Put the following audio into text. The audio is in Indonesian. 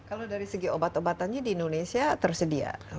kalau dari segi obat obatannya di indonesia tersedia